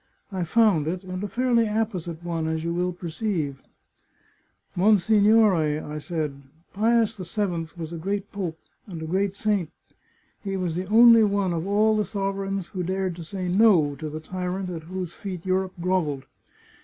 I found it, and a fairly apposite one, as you will perceive. "'" Monsignore," I said, " Pius VII was a great Pope, and a g^reat saint. He was the only one of all the sovereigns who dared to say No to the tyrant at whose feet Europe grovelled.